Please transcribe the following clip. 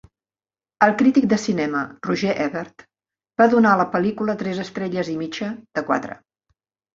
El crític de cinema Roger Ebert va donar a la pel·lícula tres estrelles i mitja de quatre.